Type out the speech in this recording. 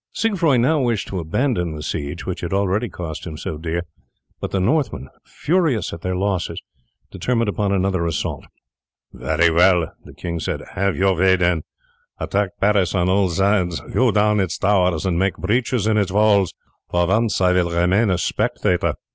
Siegfroi now wished to abandon the siege which had already cost him so dear, but the Northmen, furious at their losses, determined upon another assault. "Very well," the king said; "have your way then. Attack Paris on all sides, hew down its towers, and make breaches in its walls; for once I will remain a spectator."